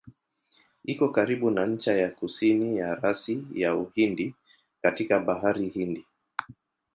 Iko karibu na ncha ya kusini ya rasi ya Uhindi katika Bahari Hindi.